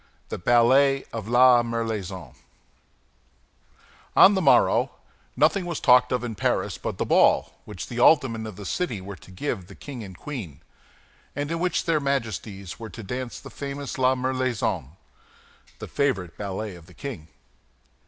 THE BALLET OF LA MERLAISON On the morrow, nothing was talked of in Paris but the ball which the aldermen of the city were to give to the king and queen, and in which their Majesties were to dance the famous La Merlaison—the favorite ballet of the king.